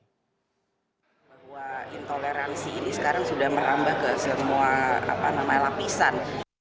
bahwa intoleransi ini sekarang sudah merambah ke semua lapisan